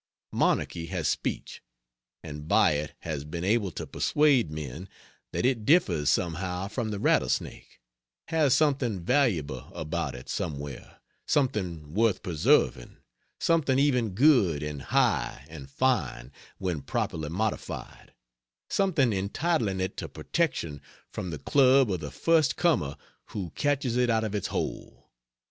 Monarchy has speech, and by it has been able to persuade men that it differs somehow from the rattlesnake, has something valuable about it somewhere, something worth preserving, something even good and high and fine, when properly "modified," something entitling it to protection from the club of the first comer who catches it out of its hole.